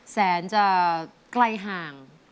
แสนจะใกล้ห่าง